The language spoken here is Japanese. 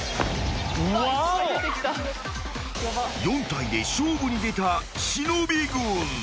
［４体で勝負に出た忍軍］